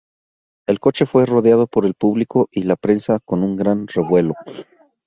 El coche fue rodeado por el público y la prensa con un gran revuelo.